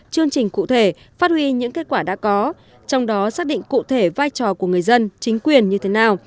chương trình cụ thể phát huy những kết quả đã có trong đó xác định cụ thể vai trò của người dân chính quyền như thế nào